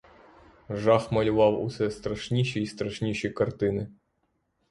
Жах малював усе страшніші й страшніші картини.